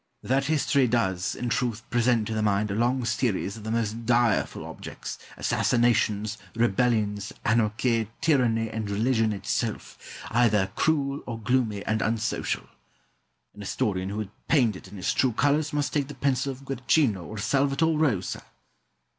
Argyle. That history does, in truth, present to the mind a long series of the most direful objects, assassinations, rebellions, anarchy, tyranny, and religion itself, either cruel, or gloomy and unsocial. An historian who would paint it in its true colours must take the pencil of Guercino or Salvator Rosa.